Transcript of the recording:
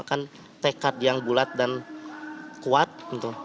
kita memakan tekad yang bulat dan kuat gitu